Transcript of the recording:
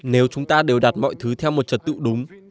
nếu chúng ta đều đặt mọi thứ theo một trật tự đúng